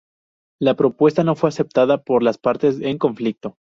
La propuesta no fue aceptada por las partes en conflicto.